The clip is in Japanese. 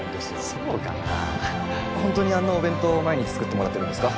そうかなホントにあんなお弁当毎日作ってもらってるんですか？